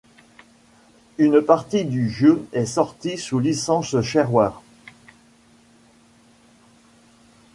Une partie du jeu est sortie sous licence shareware.